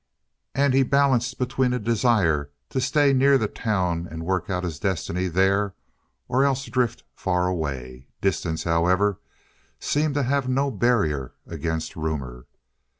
And he balanced between a desire to stay near the town and work out his destiny there, or else drift far away. Distance, however, seemed to have no barrier against rumor.